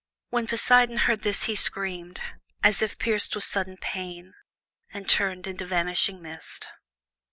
'" When Poseidon heard this he screamed, as if pierced with sudden pain, and turned into vanishing mist.